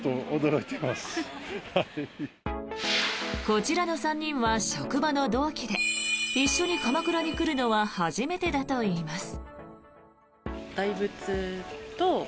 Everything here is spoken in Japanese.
こちらの３人は職場の同期で一緒に鎌倉に来るのは初めてだといいます。